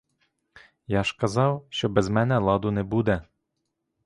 Я ж казав, що без мене ладу не буде!